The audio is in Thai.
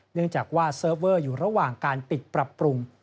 เนื่องจากว่าเซิร์ฟเวอร์อยู่ระหว่างการปิดปรับปรุง